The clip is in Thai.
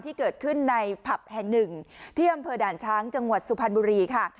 ที่เกิดขึ้นในผับแห่งหนึ่งที่อำเภอด่านช้างจังหวัดสุพรรณบุรีค่ะ